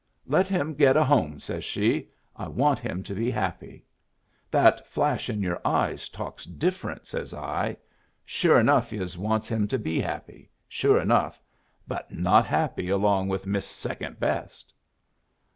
'Let him get a home,' says she. 'I want him to be happy.' 'That flash in your eyes talks different,' says I. 'Sure enough yus wants him to be happy. Sure enough. But not happy along with Miss Second Best.'